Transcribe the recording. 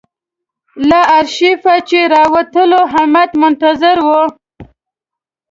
له آرشیفه چې راووتلو همت منتظر و.